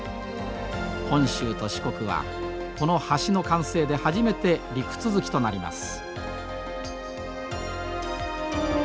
本州と四国はこの橋の完成で初めて陸続きとなります。